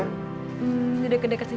nanti aku mau ke rumah